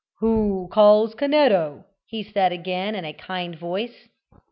"Who calls Canetto?" he said again, in a kind voice.